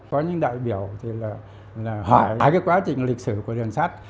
có những đại biểu thì là hỏi cái quá trình lịch sử của đoàn sát